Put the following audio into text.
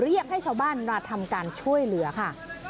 เรียกให้ชาวบ้านมาทำการช่วยเหลือค่ะ